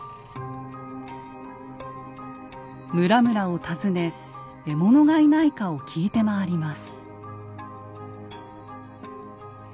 村々を訪ね獲物がいないかを聞いて回ります。